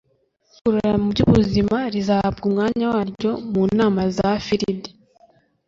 ivugurura mu by'ubuzima rizahabwa umwanya waryo mu nama za filidi